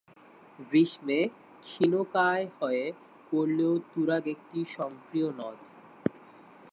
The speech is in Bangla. গ্রীষ্মে ক্ষীণকায় হয়ে পড়লেও তুরাগ একটি সক্রিয় নদ।